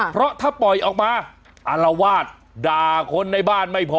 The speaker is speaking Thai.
เพราะถ้าปล่อยออกมาอารวาสด่าคนในบ้านไม่พอ